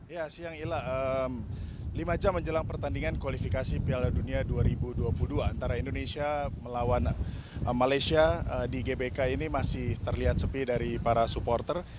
ya siang ila lima jam menjelang pertandingan kualifikasi piala dunia dua ribu dua puluh dua antara indonesia melawan malaysia di gbk ini masih terlihat sepi dari para supporter